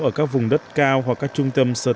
ở các vùng đất cao hoặc các trung tâm sơ